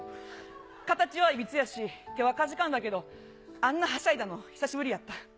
形はいびつやし、手はかじかんだけど、あんなはしゃいだの久しぶりやった。